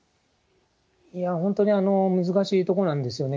いや、本当に難しいところなんですよね。